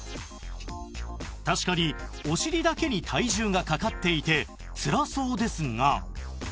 確かにお尻だけに体重がかかっていてつらそうですが